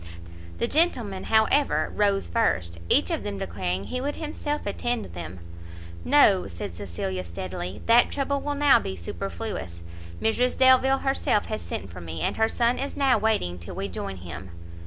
The gentlemen, however, rose first, each of them declaring he would himself attend them. "No," said Cecilia, steadily, "that trouble will now be superfluous; Mrs Delvile herself has sent for me, and her son is now waiting till we join him."